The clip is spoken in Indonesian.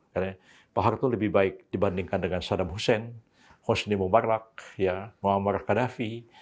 karena pak harto lebih baik dibandingkan dengan saddam hussein hosni mubarak muhammad qadhafi